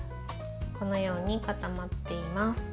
このように固まっています。